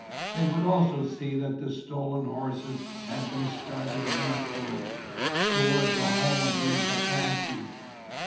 They would also see that the stolen horses had been started northward, toward the home of these Apaches.